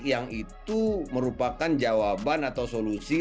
yang itu merupakan jawaban atau solusi